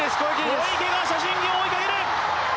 小池が謝震業を追いかける！